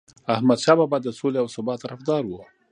احمدشاه بابا د سولې او ثبات طرفدار و.